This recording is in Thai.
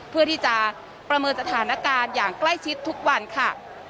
เพื่อที่จะประเมินสถานการณ์อย่างใกล้ชิดทุกวันค่ะ